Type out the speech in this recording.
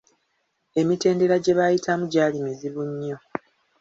Emitendera gye baayitamu gyali muzibu nnyo.